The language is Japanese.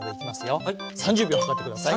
３０秒計って下さい。